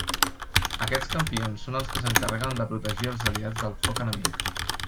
Aquests campions són els que s'encarreguen de protegir als aliats del foc enemic.